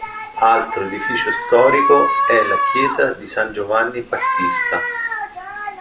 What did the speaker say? Altro edificio storico è la Chiesa di San Giovanni Battista.